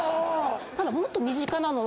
ただもっと身近なのは。